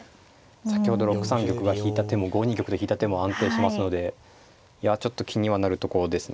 先ほど６三玉が引いた手も５二玉と引いた手も安定しますのでいやちょっと気にはなるところですね。